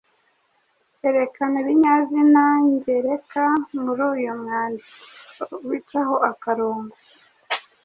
Erekana ibinyazina nyereka muri uyu mwandiko ubicaho akarongo